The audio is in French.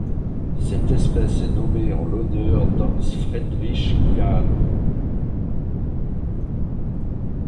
Cette espèce est nommée en l'honneur d'Hans Friedrich Gadow.